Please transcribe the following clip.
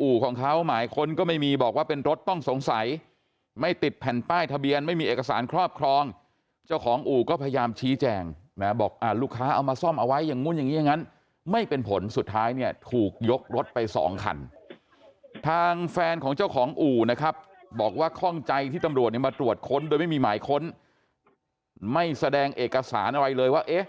อู่ของเขาหมายค้นก็ไม่มีบอกว่าเป็นรถต้องสงสัยไม่ติดแผ่นป้ายทะเบียนไม่มีเอกสารครอบครองเจ้าของอู่ก็พยายามชี้แจงนะบอกลูกค้าเอามาซ่อมเอาไว้อย่างนู้นอย่างนี้อย่างนั้นไม่เป็นผลสุดท้ายเนี่ยถูกยกรถไปสองคันทางแฟนของเจ้าของอู่นะครับบอกว่าข้องใจที่ตำรวจเนี่ยมาตรวจค้นโดยไม่มีหมายค้นไม่แสดงเอกสารอะไรเลยว่าเอ๊